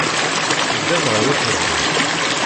Teddam ɣer uxeddim.